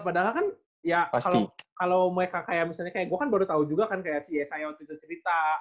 padahal kan ya kalau mereka kayak misalnya kayak gue kan baru tahu juga kan kayak saya waktu itu cerita